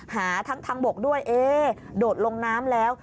หาทั้งทางบกด้วยโดดลงน้ำแล้ว